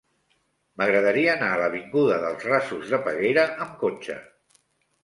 M'agradaria anar a l'avinguda dels Rasos de Peguera amb cotxe.